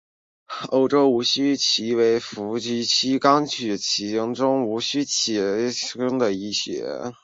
欧洲无须鳕为辐鳍鱼纲鳕形目无须鳕科的其中一种。